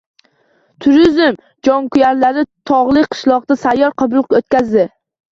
Turizm jonkuyarlari tog‘li qishloqda sayyor qabul o‘tkazdi